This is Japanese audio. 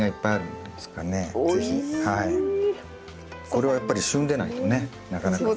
これはやっぱり旬でないとねなかなか。